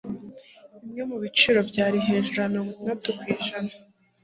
bimwe mubiciro byari hejuru ya mirongo itandatu ku ijana